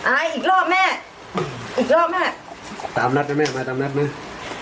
อ่าอีกรอบแม่อีกรอบแม่ตามนัดนะแม่มาตามนัดนะตามนัดนะอืม